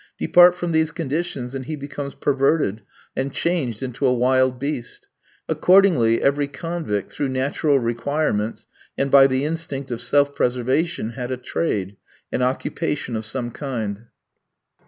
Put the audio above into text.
Depart from these conditions, and he becomes perverted and changed into a wild beast. Accordingly, every convict, through natural requirements and by the instinct of self preservation, had a trade an occupation of some kind.